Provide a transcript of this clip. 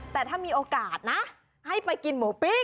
แต่ถ้ามีโอกาสนะให้ไปกินหมูปิ้ง